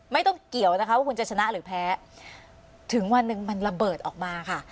ไม่ต้องเกี่ยวนะคะว่าคุณจะชนะหรือแพ้ถึงวันหนึ่งมันระเบิดออกมาค่ะ